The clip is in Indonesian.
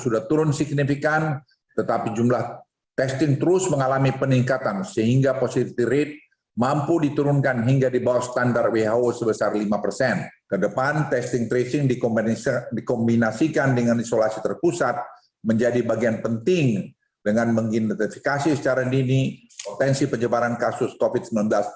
dan testing tracing dikombinasikan dengan isolasi terpusat menjadi bagian penting dengan mengidentifikasi secara dini potensi penyebaran kasus covid sembilan belas